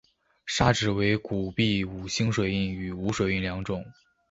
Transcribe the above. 钞纸为古币五星水印与无水印两种。